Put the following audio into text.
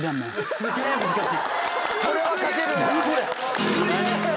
すげえ難しい。